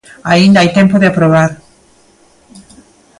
Aínda hai tempo de probar.